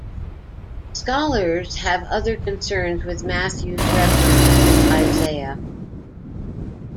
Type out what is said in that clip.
Scholars have other concerns with Matthew's reference to Isaiah.